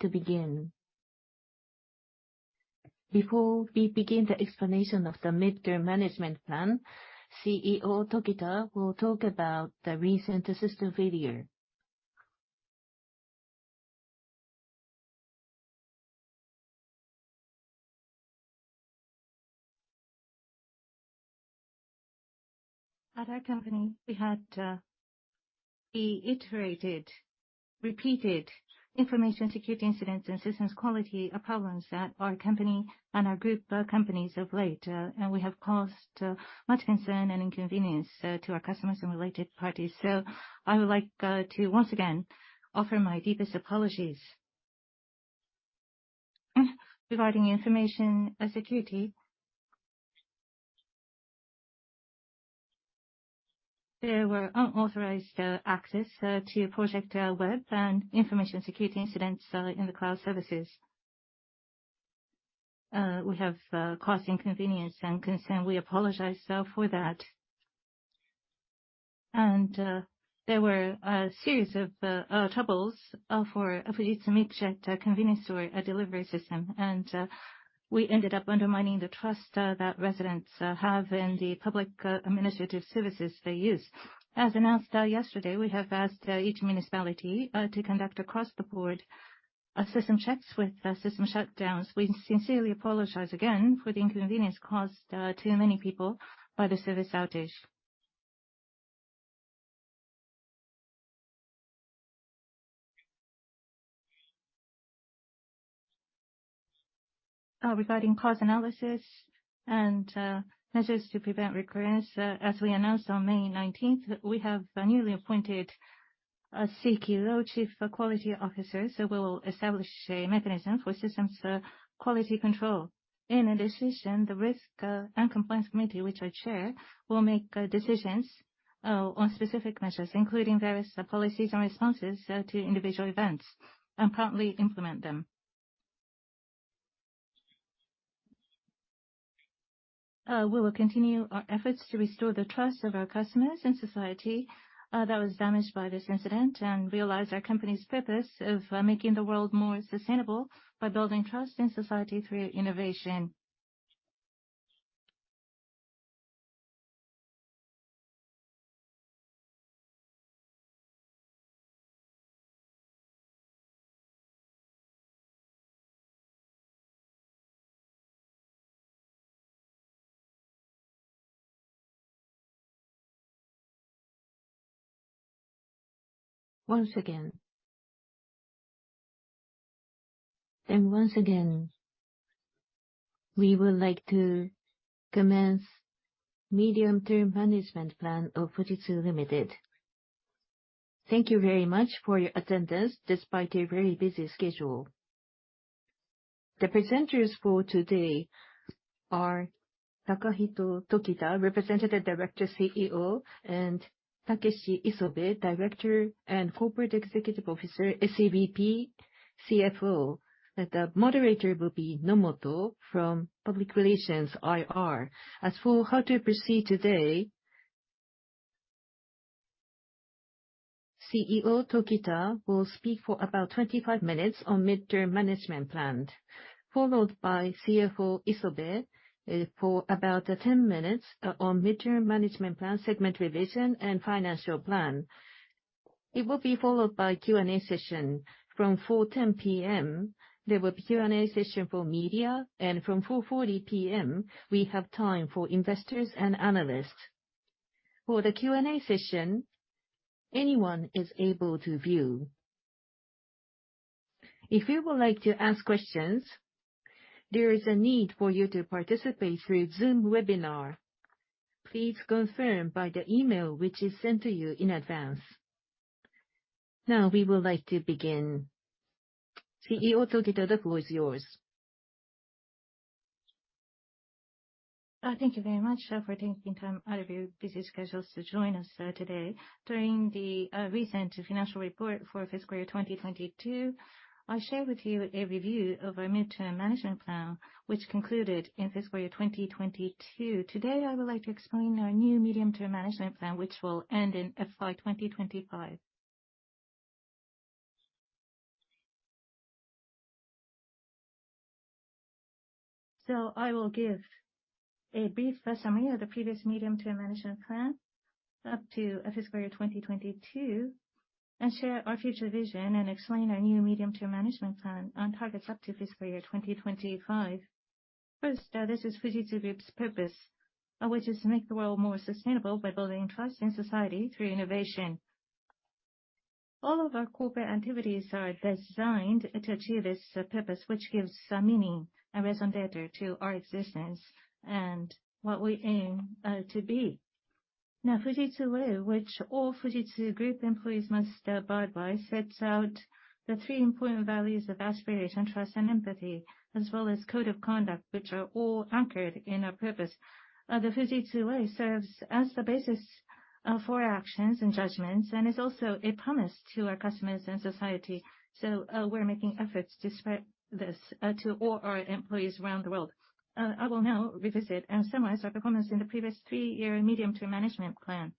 To begin. Before we begin the explanation of the mid-term management plan, CEO Tokita will talk about the recent system failure. At our company, we had reiterated, repeated information security incidents and systems quality problems at our company and our group companies of late. We have caused much concern and inconvenience to our customers and related parties. I would like to once again offer my deepest apologies. Regarding information security. There were unauthorized access to ProjectWEB and information security incidents in the cloud services. We have caused inconvenience and concern. We apologize for that. There were a series of troubles for Fujitsu MICJET convenience store delivery system. We ended up undermining the trust that residents have in the public administrative services they use. As announced, yesterday, we have asked each municipality to conduct across the board a system checks with system shutdowns. We sincerely apologize again for the inconvenience caused to many people by the service outage. Regarding cause analysis and measures to prevent recurrence as we announced on May 19th, we have newly appointed a CQO Chief Quality Officer, so we'll establish a mechanism for systems quality control. In addition the risk, and compliance committee, which I chair, will make decisions, on specific measures, including various policies and responses, to individual events and promptly implement them. We will continue our efforts to restore the trust of our customers and society, that was damaged by this incident and realize our company's purpose of making the world more sustainable by building trust in society through innovation. Once again. Once again, we would like to commence medium-term management plan of Fujitsu Limited. Thank you very much for your attendance despite your very busy schedule. The presenters for today are Takahito Tokita, Representative Director CEO, and Takeshi Isobe, Director and Corporate Executive Officer SVP CFO. The moderator will be Nomoto from Public Relations/IR. As for how to proceed today, CEO Tokita will speak for about 25 minutes on medium-term management plan, followed by CFO Isobe for about 10 minutes on medium-term management plan segment revision and financial plan. It will be followed by Q&A session. From 4:10 P.M., there will be Q&A session for media, and from 4:40 P.M., we have time for investors and analysts. For the Q&A session, anyone is able to view. If you would like to ask questions, there is a need for you to participate through Zoom Webinar. Please confirm by the email which is sent to you in advance. Now we would like to begin. CEO Tokita, the floor is yours. Thank you very much for taking time out of your busy schedules to join us today. During the recent financial report for fiscal year 2022, I'll share with you a review of our mid-term management plan which concluded in fiscal year 2022. Today, I would like to explain our new medium-term management plan which will end in FY 2025. I will give a brief summary of the previous medium-term management plan up to fiscal year 2022, and share our future vision, and explain our new medium-term management plan on targets up to fiscal year 2025. First, this is Fujitsu Group's purpose, which is to make the world more sustainable by building trust in society through innovation. All of our corporate activities are designed to achieve this purpose, which gives meaning and raison d'être to our existence and what we aim to be. Fujitsu Way, which all Fujitsu Group employees must abide by, sets out the three important values of aspiration, trust, and empathy, as well as code of conduct, which are all anchored in our purpose. The Fujitsu Way serves as the basis for our actions and judgments and is also a promise to our customers and society. We're making efforts to spread this to all our employees around the world. I will now revisit and summarize our performance in the previous three-year medium-term management plan.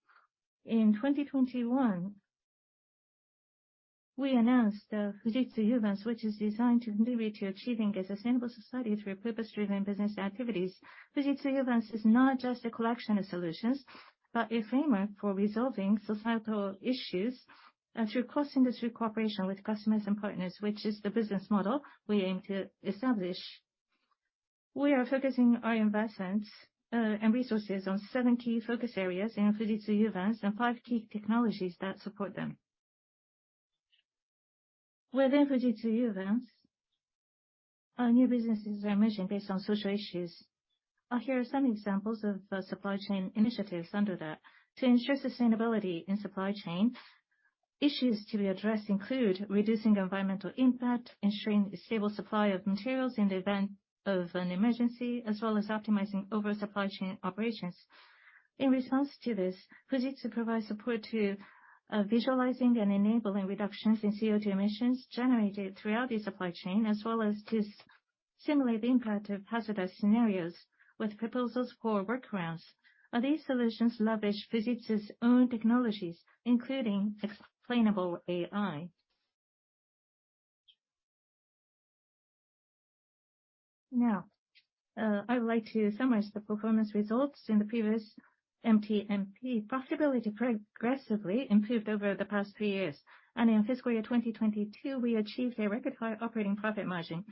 In 2021, we announced Fujitsu Uvance, which is designed to contribute to achieving a sustainable society through purpose-driven business activities. Fujitsu Uvance is not just a collection of solutions, but a framework for resolving societal issues, through cross-industry cooperation with customers and partners, which is the business model we aim to establish. We are focusing our investments and resources on seven key focus areas in Fujitsu Uvance and five key technologies that support them. Within Fujitsu Uvance, our new businesses are emerging based on social issues. Here are some examples of the supply chain initiatives under that. To ensure sustainability in supply chains, issues to be addressed include reducing environmental impact, ensuring a stable supply of materials in the event of an emergency, as well as optimizing overall supply chain operations. In response to this, Fujitsu provides support to visualizing and enabling reductions in CO2 emissions generated throughout the supply chain, as well as to simulate the impact of hazardous scenarios with proposals for workarounds. These solutions leverage Fujitsu's own technologies, including Explainable AI. Now, I would like to summarize the performance results in the previous MTMP. Profitability progressively improved over the past 3 years, and in fiscal year 2022, we achieved a record high operating profit margin.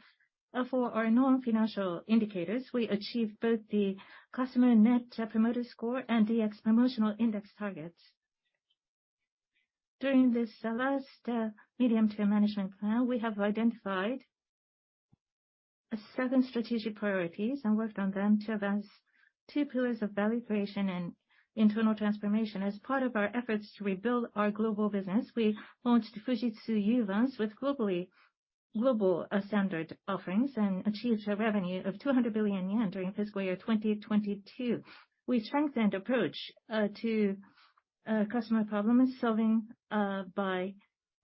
For our non-financial indicators, we achieved both the customer Net Promoter Score and DX Promotional Index targets. During this last medium-term management plan, we have identified 7 strategic priorities and worked on them to advance 2 pillars of value creation and internal transformation. As part of our efforts to rebuild our global business, we launched Fujitsu Uvance with global standard offerings and achieved a revenue of 200 billion yen during fiscal year 2022. We strengthened approach to customer problem-solving by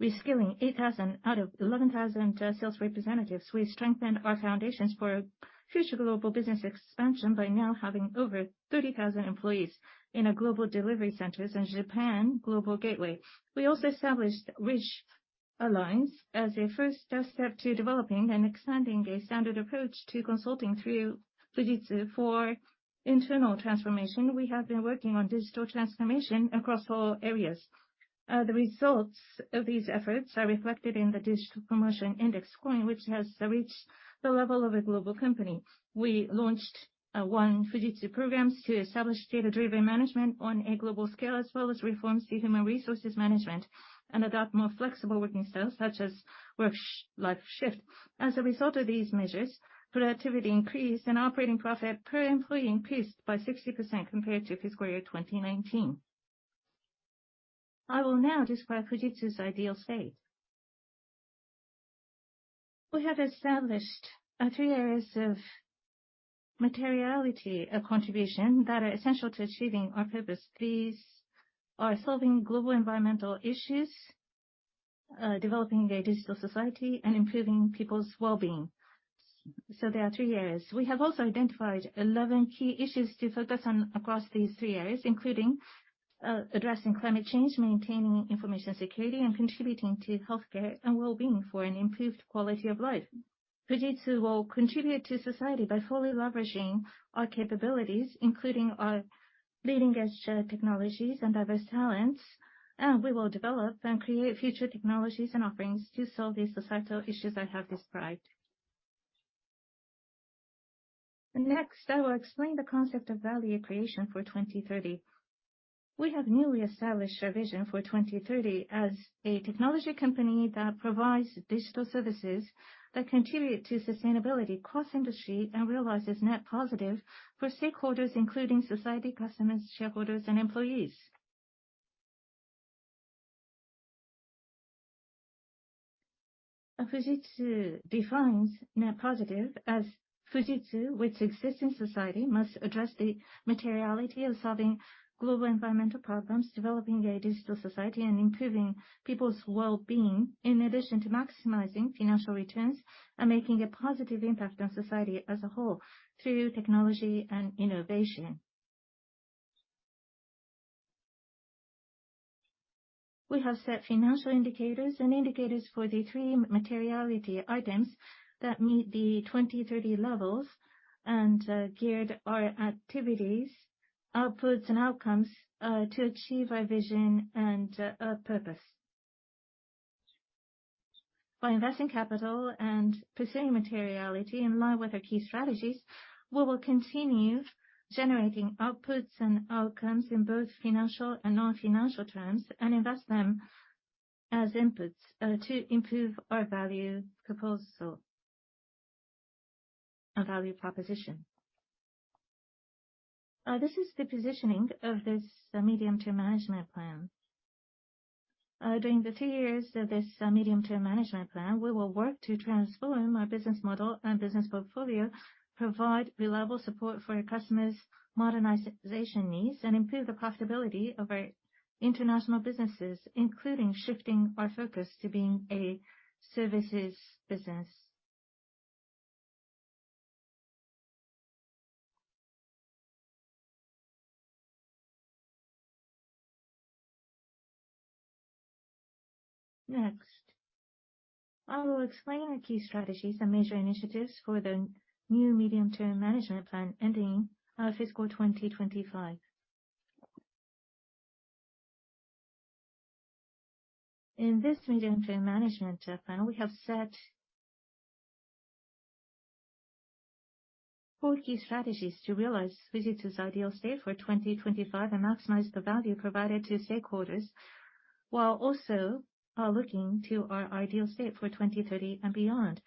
reskilling 8,000 out of 11,000 sales representatives. We strengthened our foundations for future global business expansion by now having over 30,000 employees in our global delivery centers and Japan Global Gateway. We also established REACH Alliance as a first step to developing and expanding a standard approach to consulting through Fujitsu. For internal transformation, we have been working on digital transformation across all areas. The results of these efforts are reflected in the DX Promotional Index scoring, which has reached the level of a global company. We launched One Fujitsu programs to establish data-driven management on a global scale, as well as reforms to human resources management and adopt more flexible working styles such as Work Life Shift. As a result of these measures, productivity increased and operating profit per employee increased by 60% compared to fiscal year 2019. I will now describe Fujitsu's ideal state. We have established three areas of materiality, a contribution that are essential to achieving our purpose. These are solving global environmental issues, developing a digital society, and improving people's wellbeing. There are three areas. We have also identified 11 key issues to focus on across these three areas, including addressing climate change, maintaining information security, and contributing to healthcare and wellbeing for an improved quality of life. Fujitsu will contribute to society by fully leveraging our capabilities, including our leading-edge technologies and diverse talents. We will develop and create future technologies and offerings to solve these societal issues I have described. Next, I will explain the concept of value creation for 2030. We have newly established our vision for 2030 as a technology company that provides digital services that contribute to sustainability cross-industry and realizes Net Positive for stakeholders, including society, customers, shareholders, and employees. Fujitsu defines Net Positive as Fujitsu, which exists in society, must address the materiality of solving global environmental problems, developing a digital society, and improving people's wellbeing, in addition to maximizing financial returns and making a positive impact on society as a whole through technology and innovation. We have set financial indicators and indicators for the three materiality items that meet the 2030 levels and geared our activities, outputs, and outcomes to achieve our vision and our purpose. By investing capital and pursuing materiality in line with our key strategies, we will continue generating outputs and outcomes in both financial and non-financial terms and invest them as inputs to improve our value proposal and value proposition. This is the positioning of this medium-term management plan. During the 3 years of this medium-term management plan, we will work to transform our business model and business portfolio, provide reliable support for our customers' modernization needs, and improve the profitability of our international businesses, including shifting our focus to being a services business. I will explain the key strategies and major initiatives for the new medium-term management plan ending our fiscal 2025. In this medium-term management plan, we have set four key strategies to realize Fujitsu's ideal state for 2025 and maximize the value provided to stakeholders, while also looking to our ideal state for 2030 and beyond.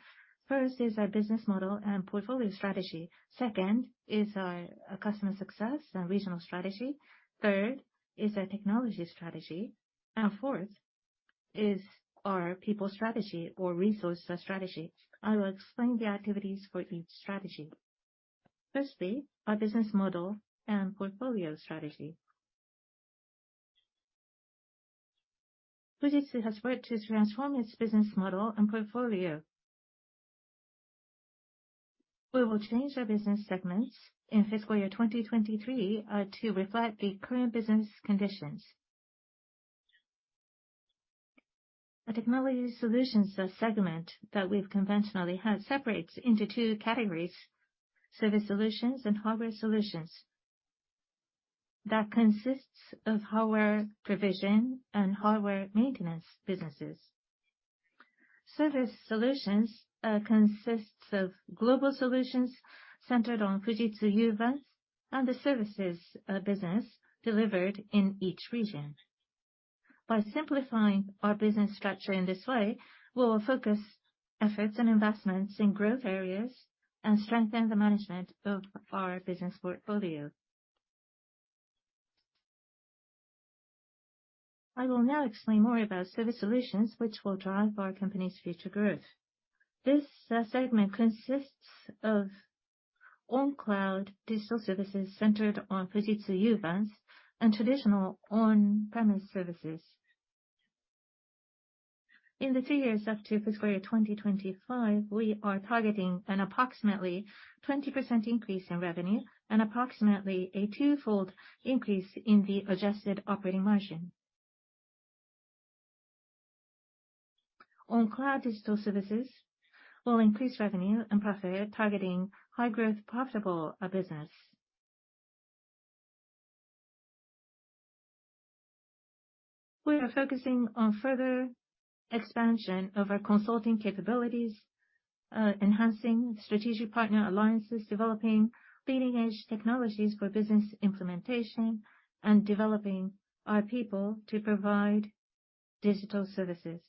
First is our business model and portfolio strategy. Second is our customer success and regional strategy. Third is our technology strategy, and fourth is our people strategy or resource strategy. I will explain the activities for each strategy. Firstly, our business model and portfolio strategy. Fujitsu has worked to transform its business model and portfolio. We will change our business segments in fiscal year 2023 to reflect the current business conditions. The Technology Solutions segment that we've conventionally had separates into two categories: Service Solutions and Hardware Solutions. That consists of hardware provision and hardware maintenance businesses. Service Solutions consists of Global Solutions centered on Fujitsu Uvance and the services business delivered in each region. By simplifying our business structure in this way, we will focus efforts and investments in growth areas and strengthen the management of our business portfolio. I will now explain more about Service Solutions which will drive our company's future growth. This segment consists of on-cloud digital services centered on Fujitsu Uvance and traditional on-premise services. In the three years up to fiscal year 2025, we are targeting an approximately 20% increase in revenue and approximately a twofold increase in the adjusted operating margin. On cloud digital services, we'll increase revenue and profit targeting high-growth profitable business. We are focusing on further expansion of our consulting capabilities, enhancing strategic partner alliances, developing leading-edge technologies for business implementation, and developing our people to provide digital services.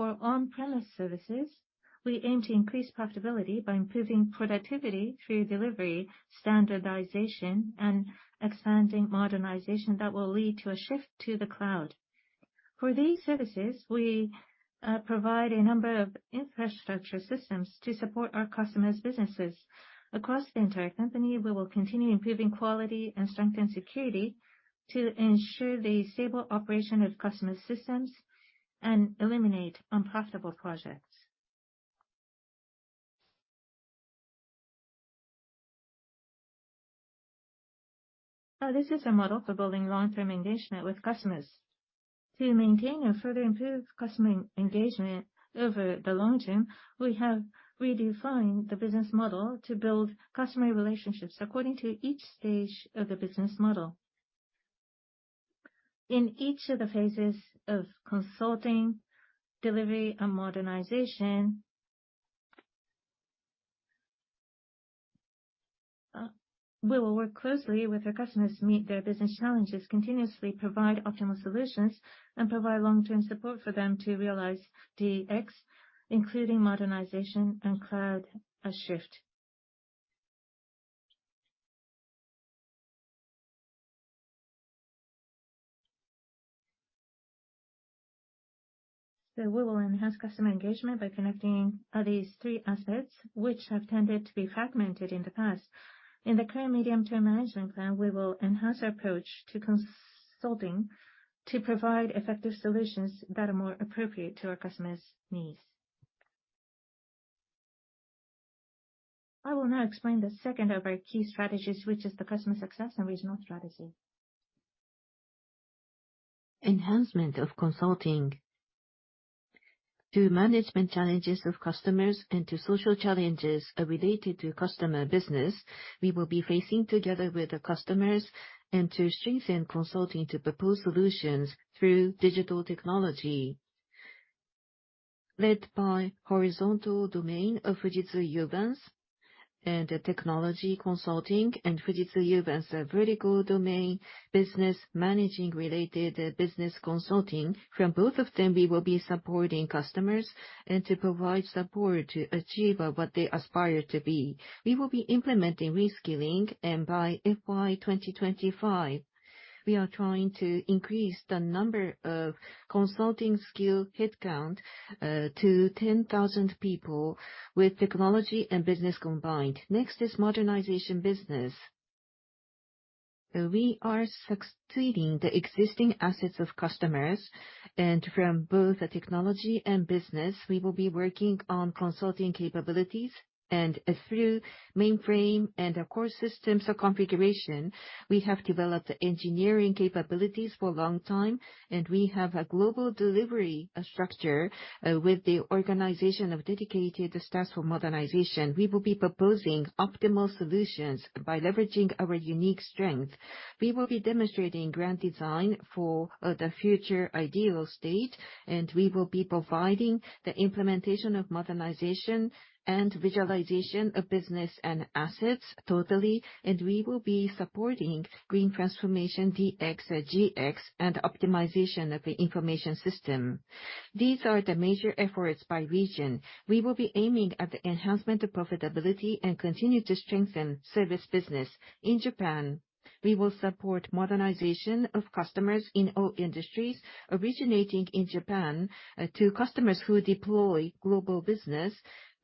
For on-premise services, we aim to increase profitability by improving productivity through delivery, standardization, and expanding modernization that will lead to a shift to the cloud. For these services, we provide a number of infrastructure systems to support our customers' businesses. Across the entire company, we will continue improving quality and strengthen security to ensure the stable operation of customer systems and eliminate unprofitable projects. This is a model for building long-term engagement with customers. To maintain and further improve customer engagement over the long term, we have redefined the business model to build customer relationships according to each stage of the business model. In each of the phases of consulting, delivery, and modernization, we will work closely with our customers to meet their business challenges, continuously provide optimal solutions, and provide long-term support for them to realize DX, including modernization and cloud shift. We will enhance customer engagement by connecting these three assets, which have tended to be fragmented in the past. In the current medium-term management plan, we will enhance our approach to consulting to provide effective solutions that are more appropriate to our customers' needs. I will now explain the second of our key strategies, which is the customer success and regional strategy. Enhancement of consulting. Through management challenges of customers and to social challenges related to customer business, we will be facing together with the customers and to strengthen consulting to propose solutions through digital technology led by horizontal domain of Fujitsu Uvance and the technology consulting and Fujitsu Uvance, a vertical domain business managing related business consulting. From both of them, we will be supporting customers and to provide support to achieve what they aspire to be. We will be implementing reskilling. By FY 2025, we are trying to increase the number of consulting skill headcount to 10,000 people with technology and business combined. Next is modernization business. We are succeeding the existing assets of customers. From both the technology and business, we will be working on consulting capabilities. Through mainframe and core systems configuration, we have developed engineering capabilities for a long time and we have a global delivery structure with the organization of dedicated staff for modernization. We will be proposing optimal solutions by leveraging our unique strength. We will be demonstrating grand design for the future ideal state and we will be providing the implementation of modernization and visualization of business and assets totally and we will be supporting green transformation, DX, GX and optimization of the information system. These are the major efforts by region. We will be aiming at the enhancement of profitability and continue to strengthen service business. In Japan, we will support modernization of customers in all industries originating in Japan to customers who deploy global business.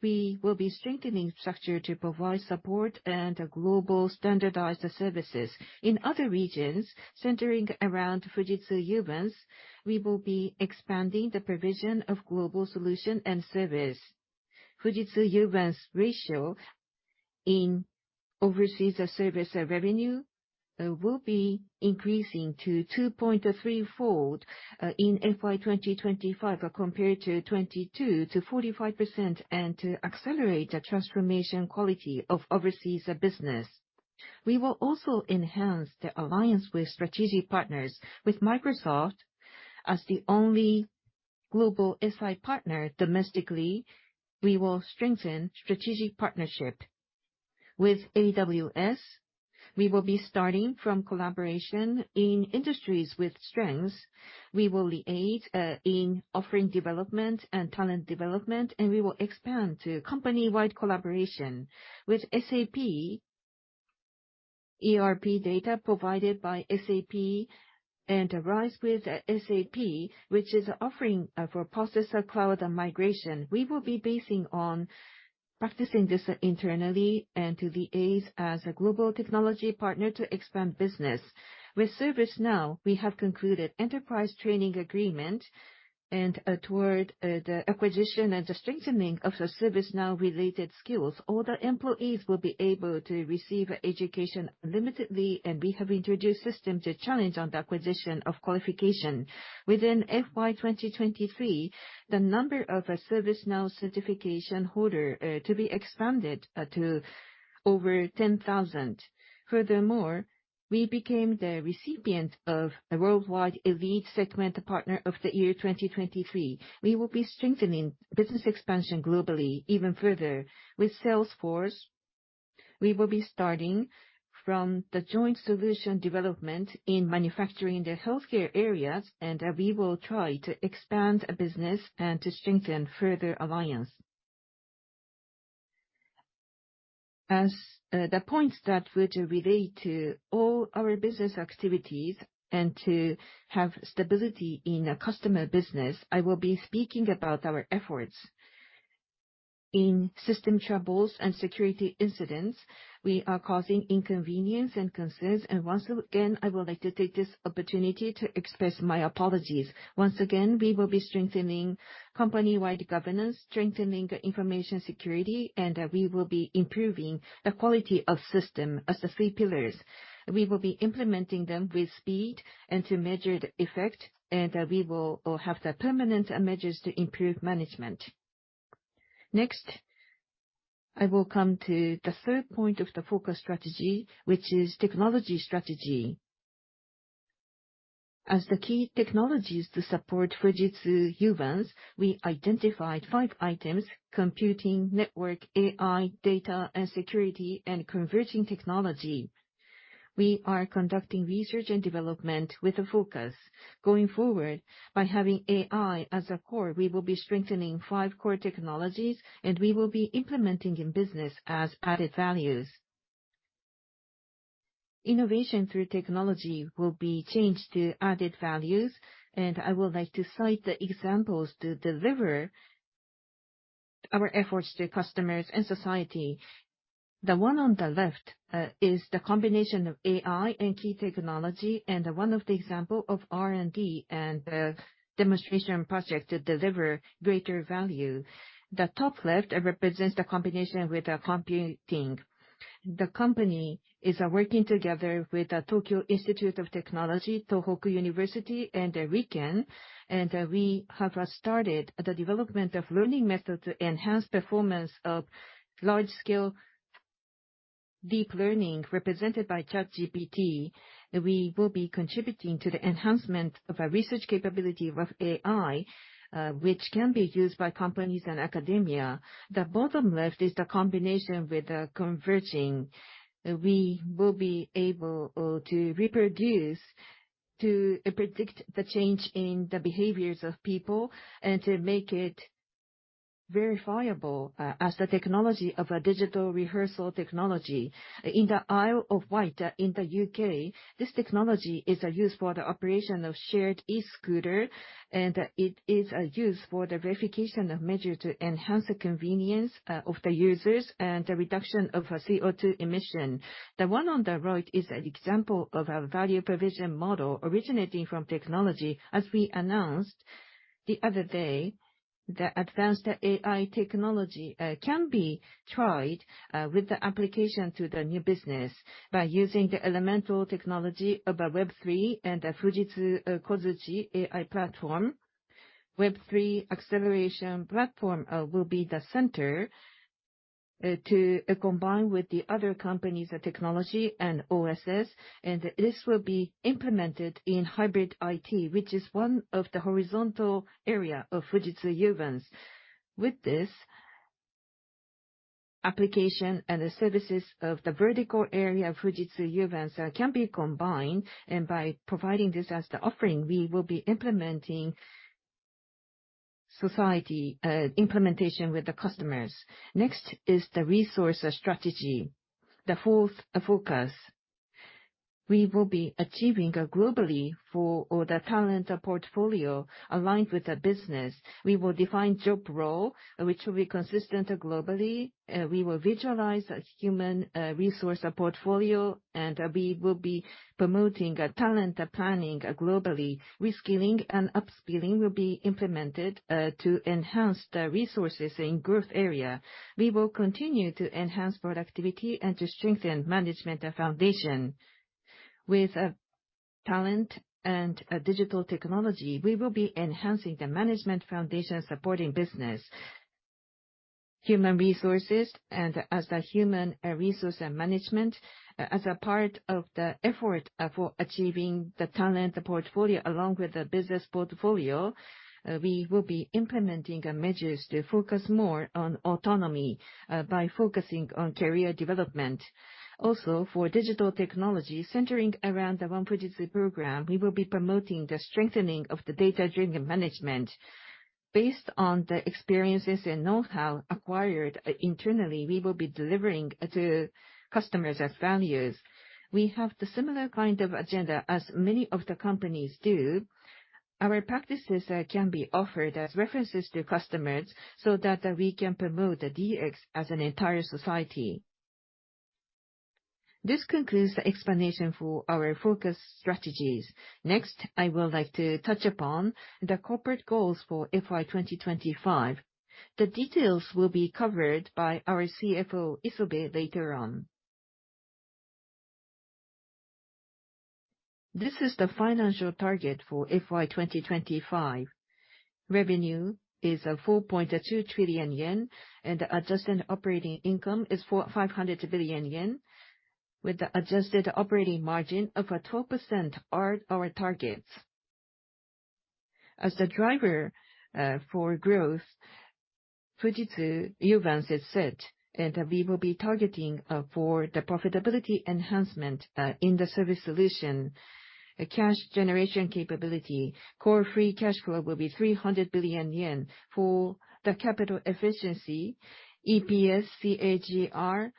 We will be strengthening structure to provide support and global standardized services. In other regions, centering around Fujitsu Uvance, we will be expanding the provision of global solution and service. Fujitsu Uvance ratio in overseas service revenue will be increasing to 2.3-fold in FY 2025 compared to 22% to 45% and to accelerate the transformation quality of overseas business. We will also enhance the alliance with strategic partners. With Microsoft as the only global SI partner domestically, we will strengthen strategic partnership. With AWS, we will be starting from collaboration in industries with strengths. We will aid in offering development and talent development and we will expand to company-wide collaboration. With SAP, ERP data provided by SAP and RISE with SAP, which is offering a processor cloud migration. We will be basing on practicing this internally and to the aids as a global technology partner to expand business. With ServiceNow, we have concluded enterprise training agreement and toward the acquisition and the strengthening of the ServiceNow related skills. All the employees will be able to receive education unlimitedly and we have introduced systems to challenge on the acquisition of qualification. Within FY 2023, the number of ServiceNow certification holder to be expanded to over 10,000. Furthermore, we became the recipient of a Worldwide Elite Segment Partner of the Year 2023. We will be strengthening business expansion globally even further. With Salesforce, we will be starting from the joint solution development in manufacturing in the healthcare areas and we will try to expand business and to strengthen further alliance. As the points that were to relate to all our business activities and to have stability in a customer business, I will be speaking about our efforts. In system troubles and security incidents, we are causing inconvenience and concerns. Once again, I would like to take this opportunity to express my apologies. Once again, we will be strengthening company-wide governance, strengthening the information security and we will be improving the quality of system as the three pillars. We will be implementing them with speed and to measured effect and we will have the permanent measures to improve management. Next, I will come to the third point of the focus strategy, which is technology strategy. As the key technologies to support Fujitsu Uvance, we identified five items, computing, network, AI, data and security and Converging Technologies. We are conducting research and development with a focus. Going forward, by having AI as a core, we will be strengthening five core technologies. We will be implementing in business as added values. Innovation through technology will be changed to added values. I would like to cite the examples to deliver our efforts to customers and society. The one on the left is the combination of AI and key technology. One of the example of R&D and demonstration project to deliver greater value. The top left represents the combination with computing. The company is working together with the Tokyo Institute of Technology, Tohoku University and RIKEN. We have started the development of learning methods to enhance performance of large-scale deep learning represented by ChatGPT. We will be contributing to the enhancement of our research capability of AI, which can be used by companies and academia. The bottom left is the combination with Converging. We will be able to reproduce to predict the change in the behaviors of people and to make it verifiable as the technology of a Digital Rehearsal technology. In the Isle of Wight in the UK, this technology is used for the operation of shared e-scooter and it is used for the verification of measure to enhance the convenience of the users and the reduction of CO2 emission. The one on the right is an example of a value provision model originating from technology. As we announced the other day, the advanced AI technology can be tried with the application to the new business by using the elemental technology of Web3 and the Fujitsu Kozuchi AI platform. Web3 Acceleration Platform will be the center to combine with the other companies' technology and OSS. This will be implemented in hybrid IT, which is one of the horizontal area of Fujitsu Uvance. With this application and the services of the vertical area of Fujitsu Uvance, can be combined. By providing this as the offering, we will be implementing society, implementation with the customers. Next is the resource strategy, the fourth focus. We will be achieving globally for all the talent portfolio aligned with the business. We will define job role, which will be consistent globally. We will visualize a human resource portfolio and we will be promoting a talent planning globally. Reskilling and upskilling will be implemented to enhance the resources in growth area. We will continue to enhance productivity and to strengthen management foundation. With talent and digital technology, we will be enhancing the management foundation supporting business. Human resources and as a human resource management, as a part of the effort for achieving the talent portfolio along with the business portfolio, we will be implementing measures to focus more on autonomy by focusing on career development. For digital technology, centering around the One Fujitsu program, we will be promoting the strengthening of the data-driven management. Based on the experiences and know-how acquired internally, we will be delivering to customers as values. We have the similar kind of agenda as many of the companies do. Our practices can be offered as references to customers so that we can promote the DX as an entire society. This concludes the explanation for our focus strategies. I would like to touch upon the corporate goals for FY 2025. The details will be covered by our CFO, Isobe, later on. This is the financial target for FY 2025. Revenue is 4.2 trillion yen, adjusted operating income is for 500 billion yen with the adjusted operating margin of 12% are our targets. As the driver for growth, Fujitsu Uvance is set, we will be targeting for the profitability enhancement in the service solution. A cash generation capability, Core Free Cash Flow will be 300 billion yen. For the capital efficiency, EPS CAGR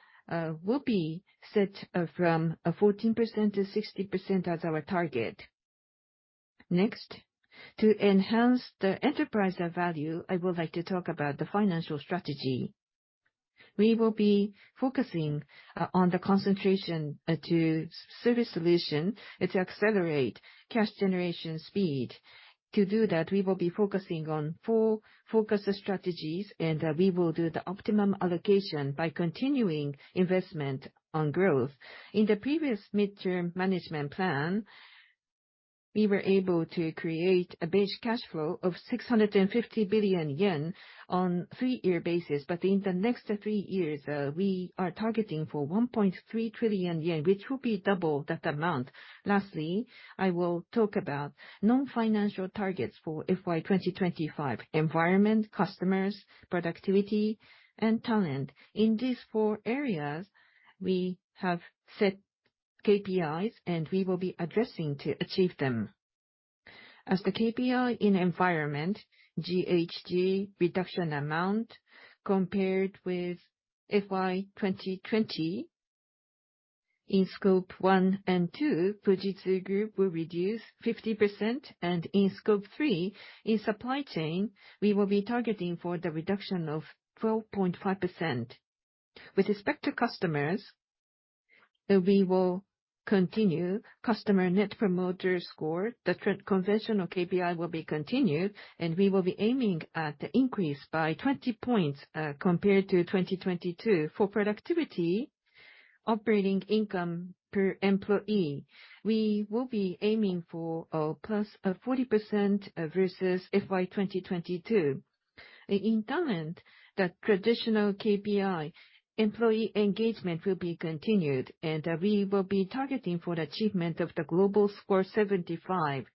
will be set from 14%-60% as our target. To enhance the enterprise value, I would like to talk about the financial strategy. We will be focusing on the concentration to service solution to accelerate cash generation speed. To do that, we will be focusing on four focus strategies. We will do the optimum allocation by continuing investment on growth. In the previous midterm management plan, we were able to create a Base Cash Flow of 650 billion yen on 3-year basis. In the next 3 years, we are targeting for 1.3 trillion yen, which will be double that amount. Lastly, I will talk about non-financial targets for FY 2025. Environment, customers, productivity and talent. In these four areas, we have set KPIs and we will be addressing to achieve them. As the KPI in environment, GHG reduction amount compared with FY 2020. In Scope 1 and 2, Fujitsu Group will reduce 50%. In Scope 3, in supply chain, we will be targeting for the reduction of 12.5%. With respect to customers, we will continue customer Net Promoter Score. The conventional KPI will be continued and we will be aiming at the increase by 20 points compared to 2022. For productivity, operating income per employee, we will be aiming for +40% versus FY 2022. In talent, the traditional KPI employee engagement will be continued and we will be targeting for the achievement of the global score 75.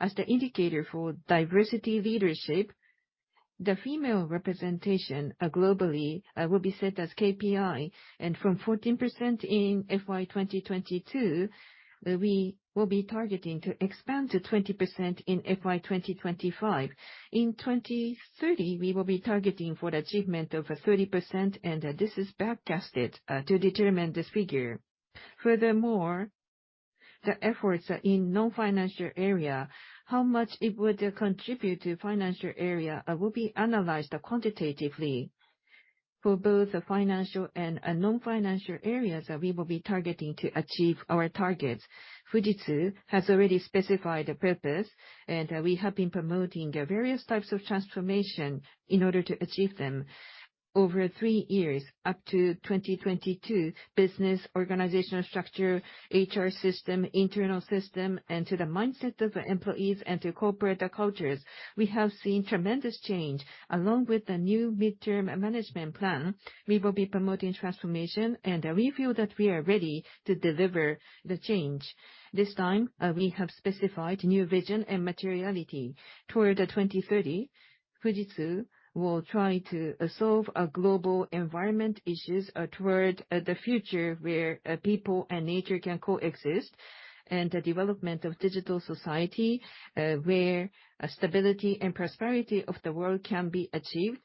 As the indicator for diversity leadership, the female representation globally will be set as KPI. From 14% in FY 2022, we will be targeting to expand to 20% in FY 2025. In 2030, we will be targeting for the achievement of 30% and this is back-casted to determine this figure. Furthermore, the efforts in non-financial area, how much it would contribute to financial area, will be analyzed quantitatively. For both the financial and non-financial areas that we will be targeting to achieve our targets. Fujitsu has already specified the purpose and we have been promoting various types of transformation in order to achieve them. Over three years up to 2022, business organizational structure HR system, internal system and to the mindset of employees and to corporate cultures, we have seen tremendous change. Along with the new midterm management plan, we will be promoting transformation and we feel that we are ready to deliver the change. This time we have specified new vision and materiality. Toward the 2030, Fujitsu will try to solve global environment issues, toward the future where people and nature can coexist and the development of digital society, where stability and prosperity of the world can be achieved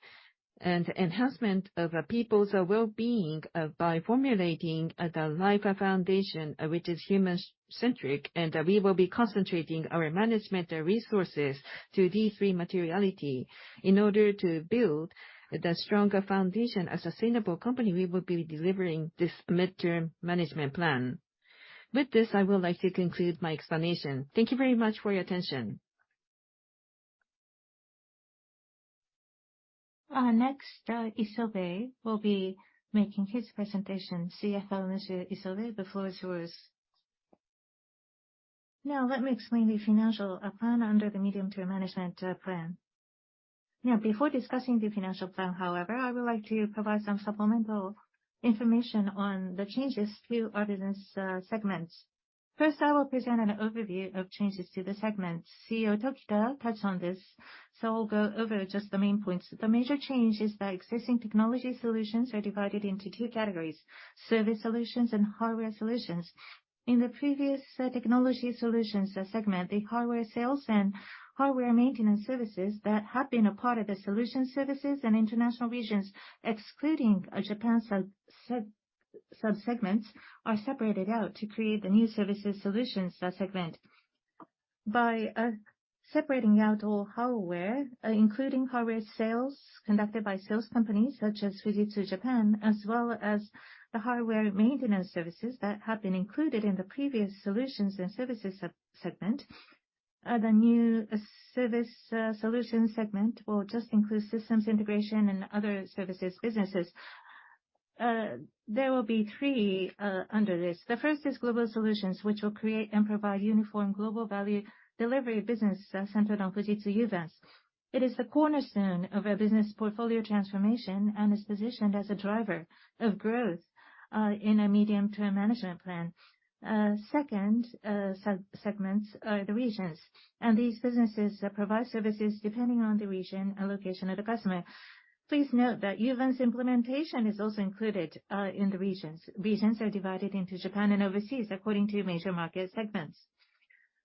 and enhancement of people's wellbeing, by formulating the life foundation, which is human-centric and we will be concentrating our management resources to these three materiality. In order to build the stronger foundation as sustainable company, we will be delivering this Medium-Term Management Plan. With this, I would like to conclude my explanation. Thank you very much for your attention. Next, Isobe will be making his presentation. CFO Isobe, the floor is yours. Now let me explain the financial plan under the Medium-Term Management Plan. Before discussing the financial plan, however, I would like to provide some supplemental information on the changes to our business segments. First, I will present an overview of changes to the segment. CEO Tokita touched on this, so I'll go over just the main points. The major change is that existing Technology Solutions are divided into two categories, Service Solutions and Hardware Solutions. In the previous Technology Solutions segment, the hardware sales and hardware maintenance services that have been a part of the solution services and international regions, excluding Japan sub-sub-segments are separated out to create the new Service Solutions segment. By separating out all hardware including hardware sales conducted by sales companies such as Fujitsu Japan, as well as the hardware maintenance services that have been included in the previous solutions and services segment the new service solution segment will just include systems integration and other services businesses. There will be three under this. The first is Global Solutions which will create and provide uniform global value delivery business, centered on Fujitsu Uvance. It is the cornerstone of our business portfolio transformation and is positioned as a driver of growth in our medium-term management plan. Second segments are the regions. These businesses provide services depending on the region and location of the customer. Please note that Uvance implementation is also included in the regions. Regions are divided into Japan and overseas according to major market segments.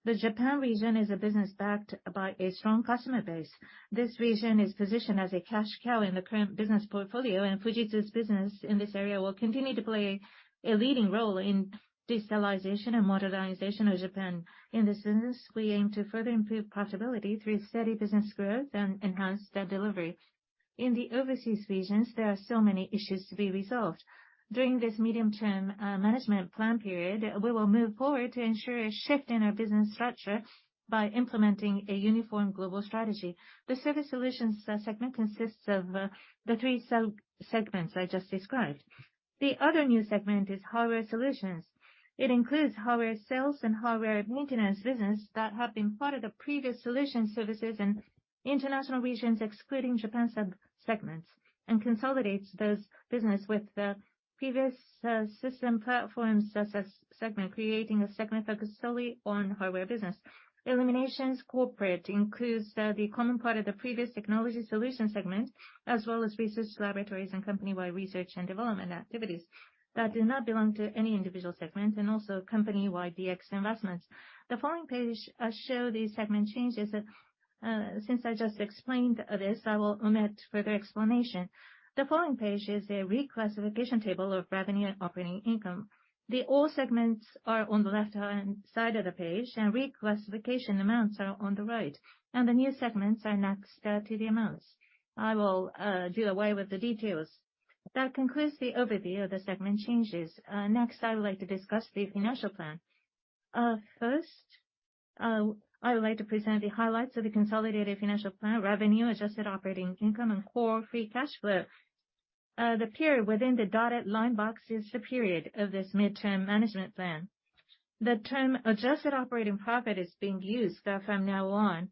The Japan region is a business backed by a strong customer base. This region is positioned as a cash cow in the current business portfolio and Fujitsu's business in this area will continue to play a leading role in digitalization and modernization of Japan. In this business, we aim to further improve profitability through steady business growth and enhanced delivery. In the overseas regions, there are still many issues to be resolved. During this medium term management plan period, we will move forward to ensure a shift in our business structure by implementing a uniform global strategy. The Service Solutions segment consists of the three sub-segments I just described. The other new segment is Hardware Solutions. It includes hardware sales and hardware maintenance business that have been part of the previous Service Solutions in international regions, excluding Japan sub-segments, and consolidates those business with the previous Hardware Solutions as a segment, creating a segment focused solely on hardware business. Eliminations corporate includes the common part of the previous Technology Solutions segment, as well as research laboratories and company-wide research and development activities that do not belong to any individual segment, and also company-wide DX investments. The following page show these segment changes. Since I just explained this, I will omit further explanation. The following page is a reclassification table of revenue and operating income. The old segments are on the left hand side of the page, and reclassification amounts are on the right, and the new segments are next to the amounts. I will do away with the details. That concludes the overview of the segment changes. Next, I would like to discuss the financial plan. First, I would like to present the highlights of the consolidated financial plan revenue, Adjusted Operating Profit and Core Free Cash Flow. The period within the dotted line box is the period of this Midterm Management Plan. The term Adjusted Operating Profit is being used from now on,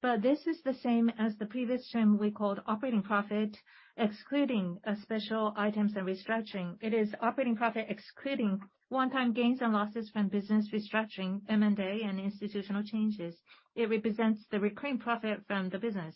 but this is the same as the previous term we called operating profit, excluding special items and restructuring. It is operating profit excluding one-time gains and losses from business restructuring, M&A, and institutional changes. It represents the recurring profit from the business.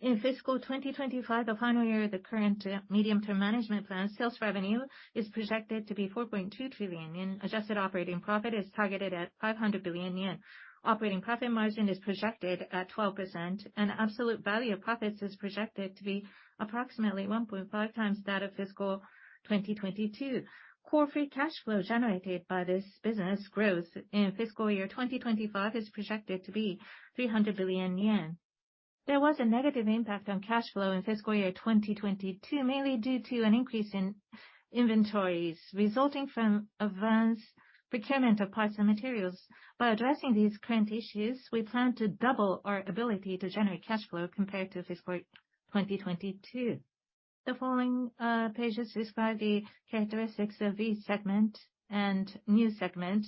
In fiscal 2025, the final year of the current Midterm Management Plan, sales revenue is projected to be 4.2 trillion yen. Adjusted Operating Profit is targeted at 500 billion yen. Operating profit margin is projected at 12%. Absolute value of profits is projected to be approximately 1.5 times that of fiscal 2022. Core Free Cash Flow generated by this business growth in fiscal year 2025 is projected to be 300 billion yen. There was a negative impact on cash flow in fiscal year 2022, mainly due to an increase in inventories resulting from advanced procurement of parts and materials. By addressing these current issues, we plan to double our ability to generate cash flow compared to fiscal 2022. The following pages describe the characteristics of each segment and new segment.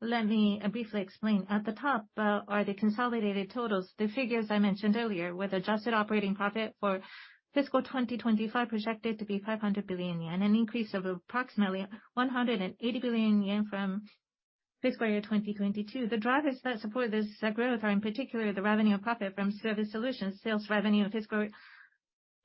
Let me briefly explain. At the top, are the consolidated totals, the figures I mentioned earlier, with Adjusted Operating Profit for fiscal 2025 projected to be 500 billion yen, an increase of approximately 180 billion yen from fiscal year 2022. The drivers that support this growth are in particular the revenue and profit from Service Solutions. Sales revenue in fiscal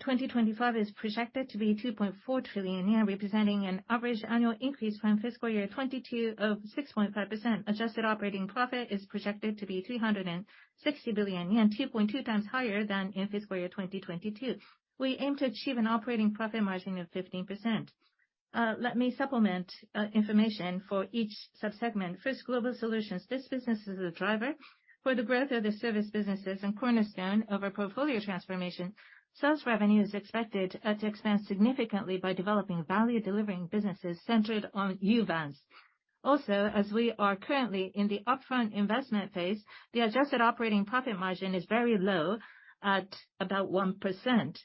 2025 is projected to be 2.4 trillion yen, representing an average annual increase from fiscal year 2022 of 6.5%. Adjusted Operating Profit is projected to be 360 billion yen, 2.2 times higher than in fiscal year 2022. We aim to achieve an operating profit margin of 15%. Let me supplement information for each sub-segment. First Global Solutions. This business is a driver for the growth of the service businesses and cornerstone of our portfolio transformation. Sales revenue is expected to expand significantly by developing value delivering businesses centered on Uvance. As we are currently in the upfront investment phase the Adjusted Operating Profit margin is very low at about 1%.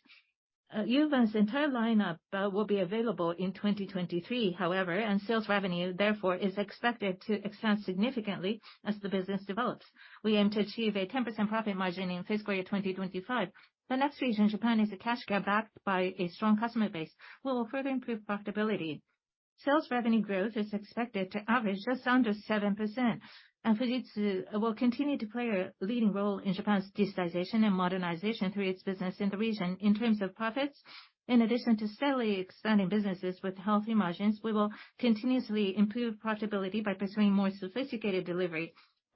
Uvance's entire lineup will be available in 2023, however, sales revenue therefore is expected to expand significantly as the business develops. We aim to achieve a 10% profit margin in fiscal year 2025. The next region Japan is a cash cow backed by a strong customer base. We will further improve profitability. Sales revenue growth is expected to average just under 7% Fujitsu will continue to play a leading role in Japan's digitization and modernization through its business in the region. In terms of profits in addition to steadily expanding businesses with healthy margins, we will continuously improve profitability by pursuing more sophisticated delivery.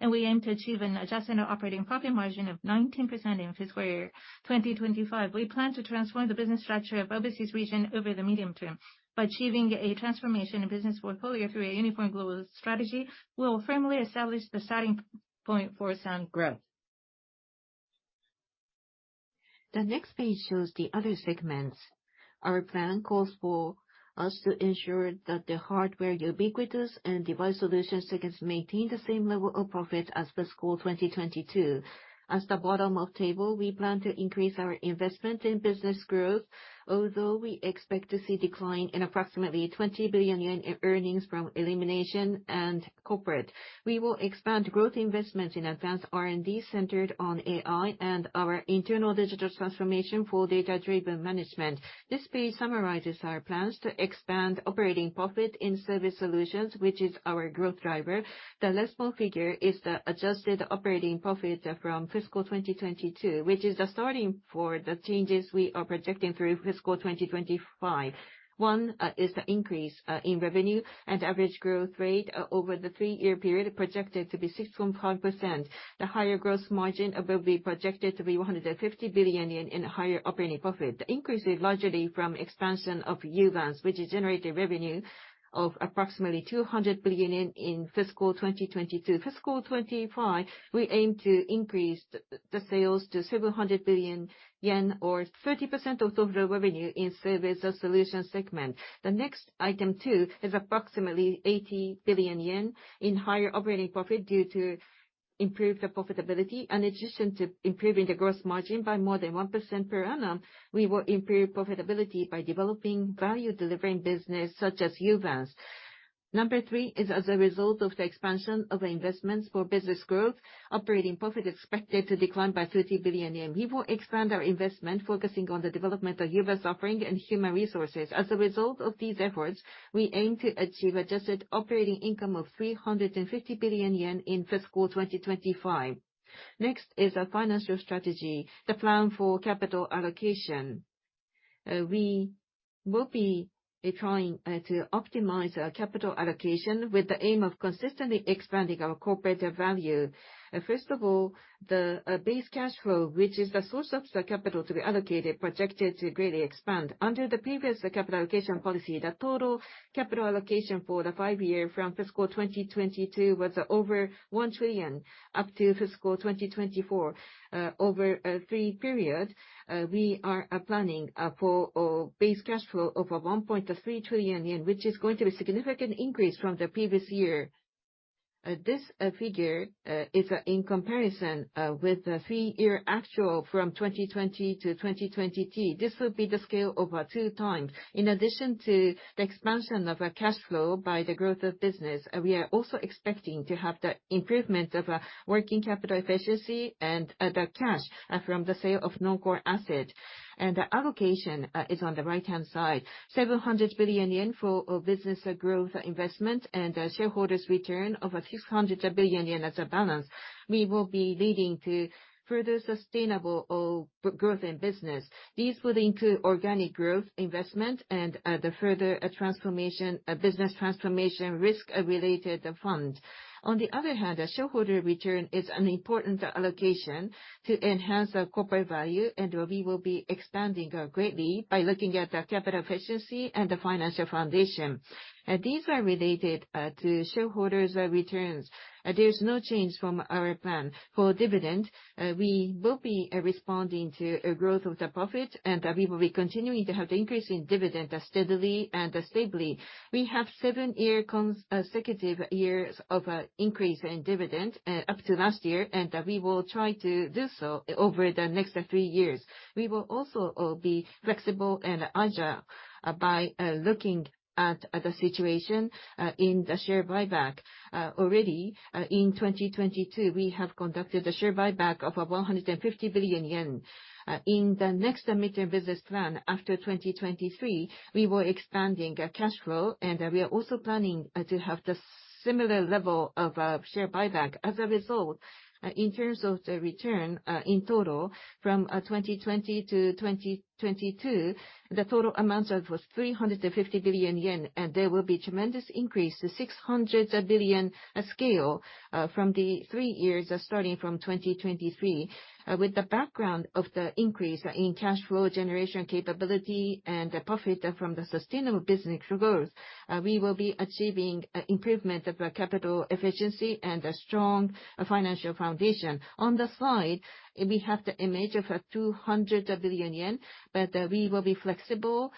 We aim to achieve an Adjusted Operating Profit margin of 19% in fiscal year 2025. We plan to transform the business structure of overseas region over the medium term. By achieving a transformation in business portfolio through a uniform global strategy, we will firmly establish the starting point for sound growth. The next page shows the other segments. Our plan calls for us to ensure that the Hardware Ubiquitous and device solutions segments maintain the same level of profit as fiscal 2022. At the bottom of table, we plan to increase our investment in business growth. Although we expect to see decline in approximately 20 billion yen in earnings from elimination and corporate. We will expand growth investments in advanced R&D centered on AI and our internal digital transformation for data-driven management. This page summarizes our plans to expand operating profit in Service Solutions, which is our growth driver. The leftmost figure is the Adjusted Operating Profit from fiscal 2022, which is the starting for the changes we are projecting through fiscal 2025. One is the increase in revenue and average growth rate over the 3-year period projected to be 6.5%. The higher gross margin above we projected to be 150 billion yen in higher operating profit increases largely from expansion of Uvance, which has generated revenue of approximately 200 billion in fiscal 2022. Fiscal 2025, we aim to increase the sales to several hundred billion JPY or 30% of total revenue in Service Solutions segment. The next item is approximately 80 billion yen in higher operating profit due to improved profitability. In addition to improving the gross margin by more than 1% per annum, we will improve profitability by developing value delivering business such as Uvance. Number three is as a result of the expansion of investments for business growth, operating profit expected to decline by 30 billion yen. We will expand our investment, focusing on the development of Uvance offering and human resources. As a result of these efforts, we aim to achieve Adjusted Operating Income of 350 billion yen in fiscal 2025. Next is our financial strategy, the plan for capital allocation. We will be trying to optimize our capital allocation with the aim of consistently expanding our corporate value. First of all the Base Cash Flow, which is the source of the capital to be allocated, projected to greatly expand. Under the previous capital allocation policy the total capital allocation for the 5-year from fiscal 2022 was over 1 trillion up to fiscal 2024. Over a 3 period, we are planning for a Base Cash Flow over 1.3 trillion yen which is going to be a significant increase from the previous year. This figure is in comparison with the 3-year actual from 2020 to 2022. This will be the scale over 2 times. In addition to the expansion of our cash flow by the growth of business we are also expecting to have the improvement of working capital efficiency and the cash from the sale of non-core asset. The allocation is on the right-hand side. 700 billion yen for business growth investment and a shareholders return of 600 billion yen as a balance. We will be leading to further sustainable growth in business. These will include organic growth investment and the further transformation business transformation risk related fund. On the other hand a shareholder return is an important allocation to enhance our corporate value and we will be expanding greatly by looking at the capital efficiency and the financial foundation. These are related to shareholders' returns. There's no change from our plan. For dividend, we will be responding to a growth of the profit and we will be continuing to have the increase in dividend steadily and stably. We have seven-year consecutive years of increase in dividend up to last year and we will try to do so over the next three years. We will also be flexible and agile by looking at the situation in the share buyback. Uh, already, uh, in twenty-twenty-two, we have conducted a share buyback of, uh, one hundred and fifty billion yen. Uh, in the next midterm business plan after twenty-twenty-three, we were expanding a cash flow, and, uh, we are also planning, uh, to have the similar level of, uh, share buyback. As a result, uh, in terms of the return, uh, in total from, uh, twenty-twenty to twenty-twenty-two, the total amount, uh, was three hundred and fifty billion yen. And there will be tremendous increase to six hundred a billion, a scale, uh, from the three years, uh, starting from twenty-twenty-three. Uh, with the background of the increase in cash flow generation capability and the profit from the sustainable business growth, uh, we will be achieving a improvement of our capital efficiency and a strong financial foundation. On the slide we have the image of 200 billion yen but we will be flexible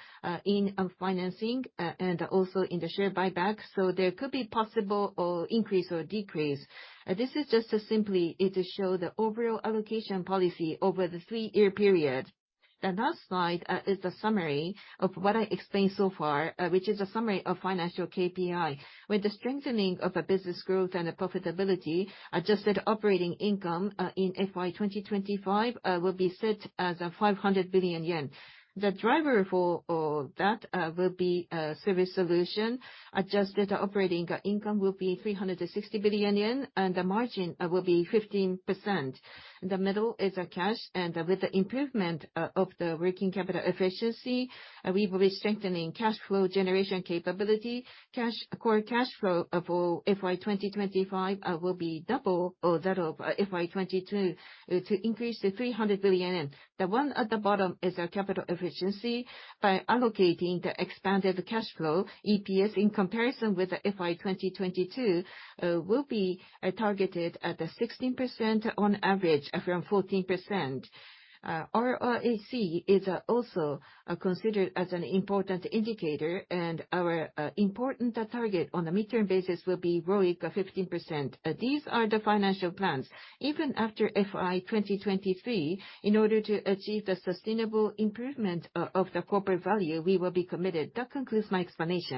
in financing and also in the share buyback so there could be possible or increase or decrease. This is just to simply is to show the overall allocation policy over the three-year period. The last slide is the summary of what I explained so far, which is a summary of financial KPI. With the strengthening of a business growth and the profitability Adjusted Operating Income in FY 2025 will be set as 500 billion yen. The driver for that will be Service Solutions. Adjusted Operating Income will be 360 billion yen, and the margin will be 15%. The middle is a cash. With the improvement of the working capital efficiency we will be strengthening cash flow generation capability. Cash core cash flow of FY 2025 will be double or that of FY 2022 to increase to 300 billion yen. The one at the bottom is our capital efficiency. By allocating the expanded cash flow, EPS in comparison with the FY 2022 will be targeted at a 16% on average from 14%. RORAC is also considered as an important indicator. Our important target on the midterm basis will be ROIC of 15%. These are the financial plans. Even after FY 2023, in order to achieve the sustainable improvement of the corporate value, we will be committed. That concludes my explanation.